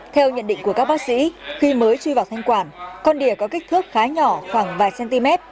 theo nhận định của các bác sĩ khi mới truy vào thanh quản con đìa có kích thước khá nhỏ khoảng vài cm